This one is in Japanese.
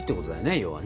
要はね。